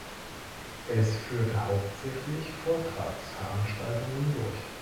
Es führte hauptsächlich Vortragsveranstaltungen durch.